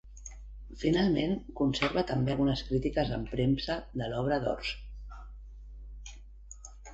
Finalment, conserva també algunes crítiques en premsa de l'obra d'Ors.